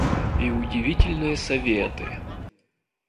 И удивительные советы.